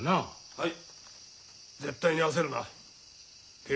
はい。